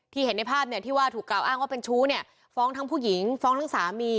เห็นในภาพเนี่ยที่ว่าถูกกล่าวอ้างว่าเป็นชู้เนี่ยฟ้องทั้งผู้หญิงฟ้องทั้งสามี